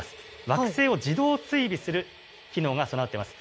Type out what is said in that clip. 惑星を自動追尾する機能が備わっています。